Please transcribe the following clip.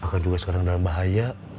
bahkan juga sekarang dalam bahaya